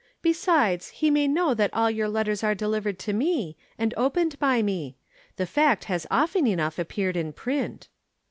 Besides, he may know that all your letters are delivered to me, and opened by me. The fact has often enough appeared in print."